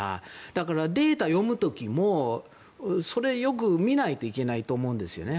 だから、データを読む時もそれをよく見ないといけないと思うんですよね。